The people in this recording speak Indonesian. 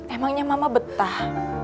emangnya mama betah